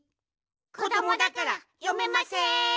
こどもだからよめません。